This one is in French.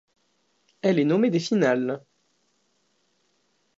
Elle est nommée des Finales.